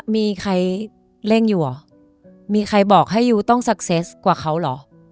มีใครเร่งอยู่เหรอมีใครบอกให้ยูต้องซักเซสกว่าเขาเหรอ